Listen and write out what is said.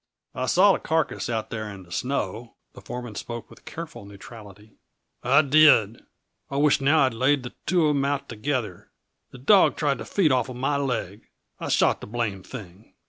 I saw the carcass out there in the snow." The foreman spoke with careful neutrality. "I did. I wisht now I'd laid the two of 'em out together. The dawg tried to feed offa my leg. I shot the blame thing."